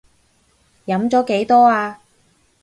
飲咗幾多呀？